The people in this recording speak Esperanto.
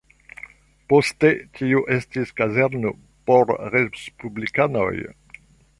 Poste tiu estis kazerno por respublikanoj.